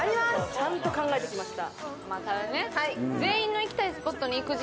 ちゃんと考えてきました。